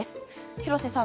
廣瀬さん